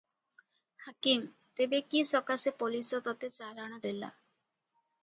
ହାକିମ - ତେବେ କି ସକାଶେ ପୋଲିଶ ତତେ ଚାଲାଣ ଦେଲା?